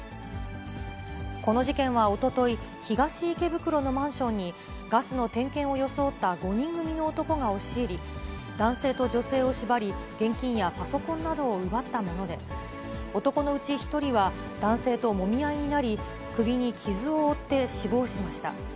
この事件はおととい、東池袋のマンションに、ガスの点検を装った５人組の男が押し入り、男性と女性を縛り、現金やパソコンなどを奪ったもので、男のうち１人は、男性ともみ合いになり、首に傷を負って死亡しました。